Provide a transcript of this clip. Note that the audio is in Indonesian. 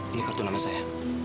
ini kartu nama saya